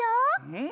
うん！